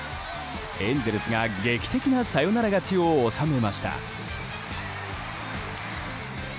エンゼルスが劇的なサヨナラ勝ちを収めました。